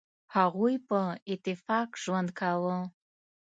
هغوی په اتفاق ژوند کاوه.